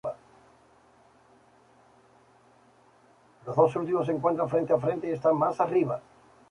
Los dos últimos se encuentran frente a frente y están más arriba.